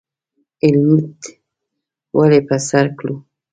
هیلمټ ولې په سر کړو؟